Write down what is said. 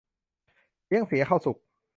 เลี้ยงเสียข้าวสุก